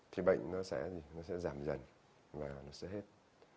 thì bệnh nó sẽ giảm dần và nó sẽ hết